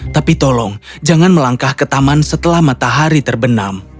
tapi tolong jangan melangkah ke taman setelah matahari terbenam